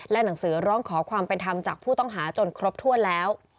หนังสือร้องขอความเป็นธรรมจากผู้ต้องหาจนครบถ้วนแล้ว